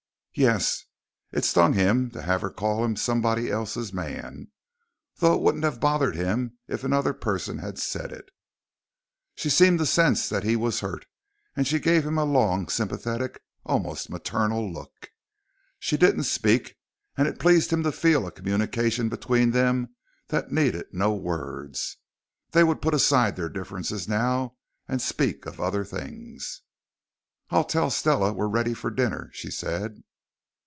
"Yes." It stung him to have her call him somebody else's man, though it wouldn't have bothered him if another person had said it. She seemed to sense that he was hurt, and she gave him a long, sympathetic, almost maternal look. She didn't speak, and it pleased him to feel a communication between them that needed no words. They would put aside their differences now and speak of other things. "I'll tell Stella we're ready for dinner," she said.